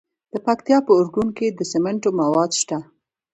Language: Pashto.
د پکتیکا په ارګون کې د سمنټو مواد شته.